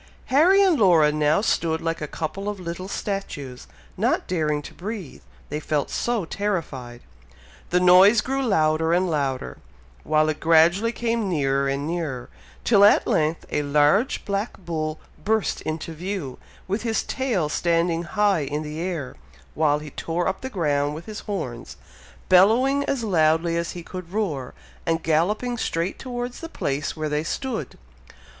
Harry and Laura now stood like a couple of little statues, not daring to breathe, they felt so terrified! The noise grew louder and louder, while it gradually came nearer and nearer, till at length a large black bull burst into view, with his tail standing high in the air, while he tore up the ground with his horns, bellowing as loudly as he could roar, and galloping straight towards the place where they stood.